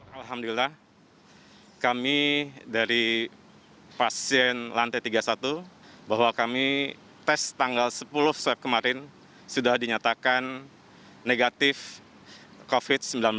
alhamdulillah kami dari pasien lantai tiga puluh satu bahwa kami tes tanggal sepuluh swab kemarin sudah dinyatakan negatif covid sembilan belas